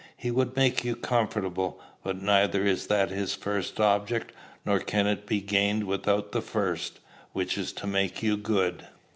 He would make you comfortable; but neither is that his first object, nor can it be gained without the first, which is to make you good.